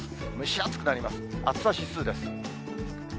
暑さ指数です。